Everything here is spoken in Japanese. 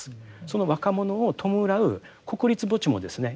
その若者を弔う国立墓地もですね